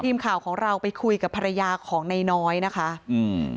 ทีมข่าวของเราไปคุยกับภรรยาของนายน้อยนะคะอืม